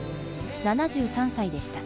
７３歳でした。